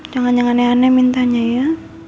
jangan jangan aneh aneh mintanya ya